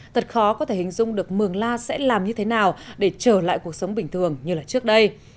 thật khó có thể hình dung được mường la sẽ làm như thế nào để trở lại cuộc sống bình thường như trước đây